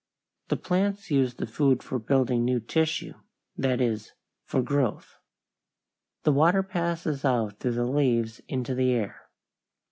The plants use the food for building new tissue, that is, for growth. The water passes out through the leaves into the air.